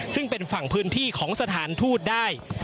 ซึ่งเป็นฝั่งพื้นที่ของสถานทูตได้